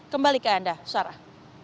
kembali ke anda sarah